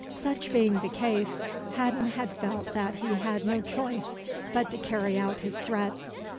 Such being the case, Haddon had felt that he had no choice but to carry out his threat.